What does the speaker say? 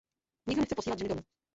Nikdo nechce posílat ženy domů.